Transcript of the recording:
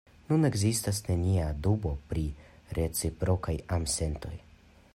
Nun ekzistas nenia dubo pri reciprokaj amsentoj.